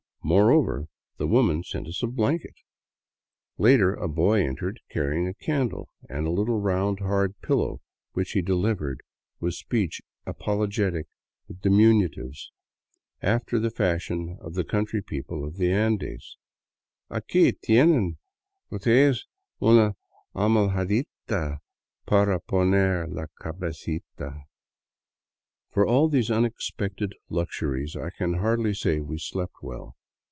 Moreover, the woman sent us a. blanket. Later a boy entered carrying a candle and a little round hard pillow which he delivered with a speech apologetic with diminutives, after the fashion of the country people of the Andes, " Aqui tienen u'te'es una almohadita para poner la cabecita." For all these unexpected luxuries, I can hardly say we slept well.